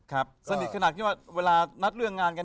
สนิทขนาดที่ว่าเวลานัดเรื่องงานกัน